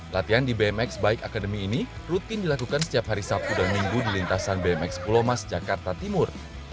latihan di bmx bike academy ini rutin dilakukan setiap hari sabtu dan minggu di lintasan bmx pulau mas jakarta timur